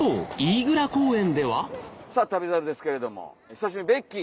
さぁ『旅猿』ですけれども久しぶりにベッキー。